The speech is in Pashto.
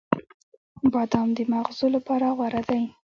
• بادام د مغزو لپاره غوره دی.